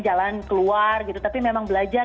jalan keluar gitu tapi memang belajar